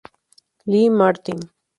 Lee Martin